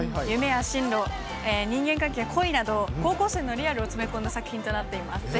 夢や進路、人間関係、恋など、高校生のリアルを詰め込んだ作品となっています。